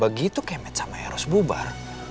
begitu kemet sama eros bubar